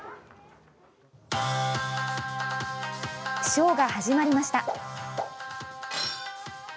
ショーが始まりました。